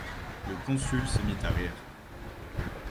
Le Consul se mit à rire.